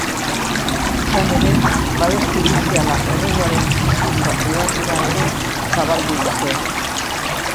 Izan ere, babes judiziala erregearen bizitza pribatura ere zabaldu dute.